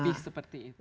lebih seperti itu